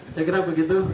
saya kira begitu